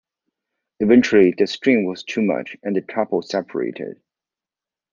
Eventually, the strain was too much and the couple separated.